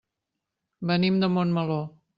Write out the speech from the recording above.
Venim de Montmeló.